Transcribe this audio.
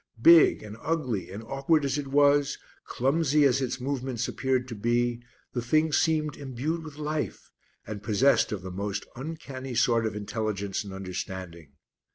Big, and ugly, and awkward as it was, clumsy as its movements appeared to be, the thing seemed imbued with life, and possessed of the most uncanny sort of intelligence and understanding.